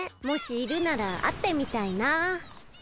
もしいるならあってみたいな。